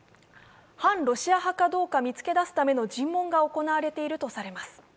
反ロシア派かどうか見つけ出すための尋問が行われているとされます。